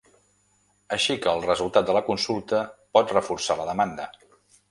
Així que el resultat de la consulta pot reforçar la demanda.